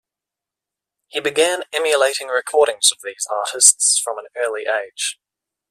He began emulating recordings of these artists from an early age.